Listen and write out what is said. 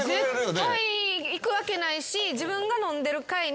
絶対行くわけないし自分が飲んでる会に。